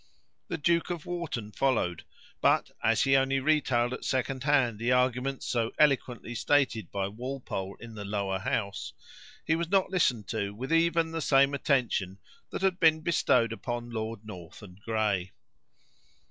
The Duke of Wharton followed; but, as he only retailed at second hand the arguments so eloquently stated by Walpole in the Lower House, he was not listened to with even the same attention that had been bestowed upon Lord North and Grey.